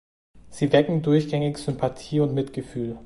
Sie wecken durchgängig Sympathie und Mitgefühl.